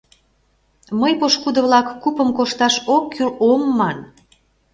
— Мый, пошкудо-влак, купым кошташ ок кӱл ом ман...